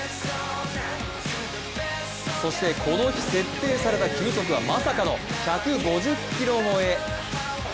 そして、この日設定された球速はまさかの１５０キロ超え。